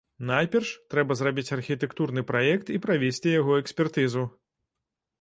Найперш, трэба зрабіць архітэктурны праект і правесці яго экспертызу.